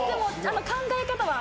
考え方は。